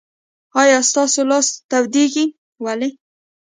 آیا ستاسو لاس تودیږي؟ ولې؟